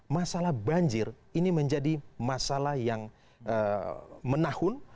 masalah banjir ini menjadi masalah yang menahun